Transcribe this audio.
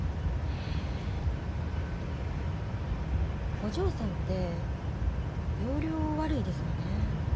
お嬢さんって要領悪いですよね。